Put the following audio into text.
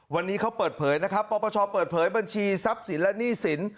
วันนี้เขาเปิดเผยนะครับปปชเปิดเผยบัญชีทรัพย์สินและหนี้สิน